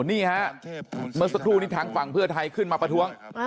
นี่ฮะเมื่อสักครู่นี้ทางฝั่งเพื่อไทยขึ้นมาประท้วง